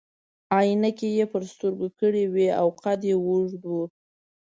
عینکې يې پر سترګو کړي وي او قد يې اوږد وو.